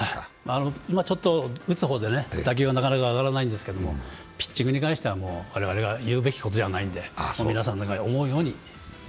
ちょっと打つ方で打球がなかなか上がらないんですけど、ピッチングに関しては我々が言うべきことではないんで、皆さんの思うように。